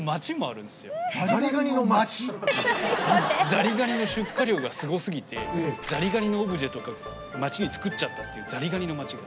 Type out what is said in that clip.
ザリガニの町⁉ザリガニの出荷量がすご過ぎてザリガニのオブジェとか町に作っちゃったっていうザリガニの町がある。